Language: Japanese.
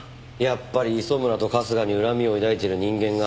やっぱり磯村と春日に恨みを抱いている人間が。